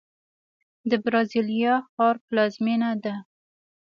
د برازیلیا ښار پلازمینه ده.